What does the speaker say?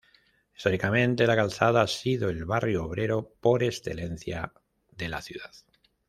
Históricamente, La Calzada ha sido el barrio obrero por excelencia de la ciudad.